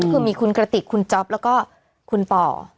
ก็คือมีคุณกระติกคุณจ๊อปแล้วก็คุณป่อ